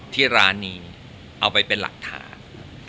ที่ร้านนี้เอาไปเป็นหลักฐาน